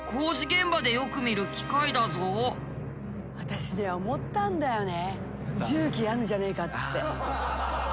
これは私ね思ったんだよね。